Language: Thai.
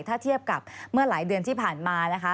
ถ้าเทียบกับเมื่อหลายเดือนที่ผ่านมานะคะ